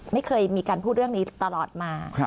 ไม่เคยมีการพูดเรื่องนี้ตลอดมา